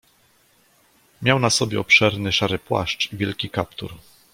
"Miał na sobie obszerny, szary płaszcz i wielki kaptur."